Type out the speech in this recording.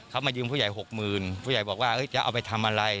เขามายืมผู้ใหญ่๖๐๐๐ผู้ใหญ่บอกว่าจะเอาไปทำอะไร